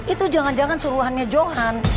itu jangan jangan suruhannya johan